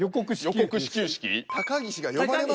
予告始球式。